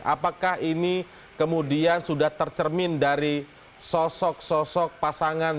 apakah ini kemudian sudah tercermin dari sosok sosok pasangan